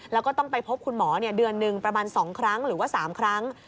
แล้วก็ต้องไปพบคุณหมอเดือนหนึ่งประมาณ๒ครั้งหรือว่า๓ครั้ง